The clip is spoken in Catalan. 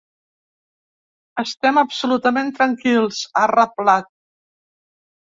Estem absolutament tranquils, ha reblat.